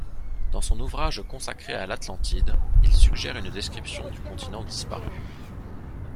Dans son ouvrage consacré à l'Atlantide, il suggère une description du continent disparu.